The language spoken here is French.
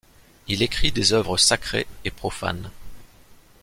Il écrit des œuvres sacrée et profanes.